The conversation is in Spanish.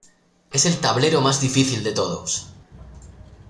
Es el tablero más difícil de todos.